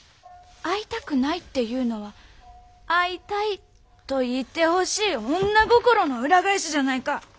会いたくないっていうのは会いたいと言ってほしい女心の裏返しじゃないか！